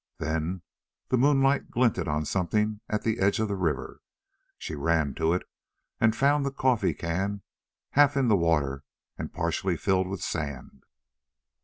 Then the moonlight glinted on something at the edge of the river. She ran to it and found the coffee can half in the water and partially filled with sand.